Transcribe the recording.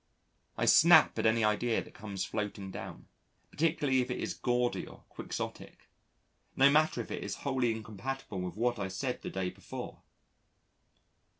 I snap at any idea that comes floating down, particularly if it is gaudy or quixotic, no matter if it is wholly incompatible with what I said the day before.